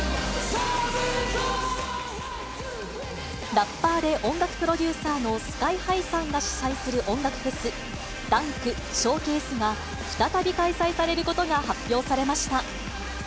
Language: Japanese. ラッパーで音楽プロデューサーのＳＫＹーＨＩさんが主催する音楽フェス、ダンクＳｈｏｗｃａｓｅが再び開催されることが発表されました。